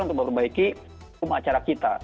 untuk memperbaiki hukum acara kita